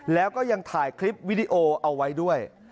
แล้วก็ยังถ่ายคลิปวิดีโอเอาไว้ด้วย